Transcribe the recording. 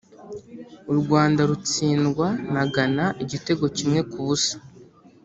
u Rwanda rutsindwa na Ghana igitego kimwe ku busa